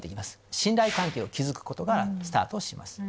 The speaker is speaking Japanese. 信頼関係を築くことからスタートします。